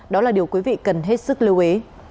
đó là điều quý vị cần hết sức lưu ý